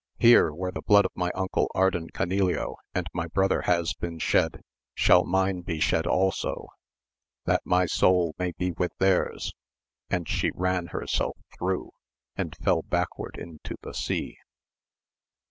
Here, where the blood of my uncle Ardan Canileo and my brother has been shed, shall mine be shed also, that my soul may be with theirs ; and she ran herself through, and fell backward into the sea.